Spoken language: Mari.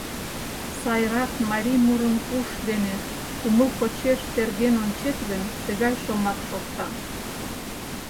Сайрак марий мурым уш дене, кумыл почеш терген ончет гын, тыгай шомак шокта: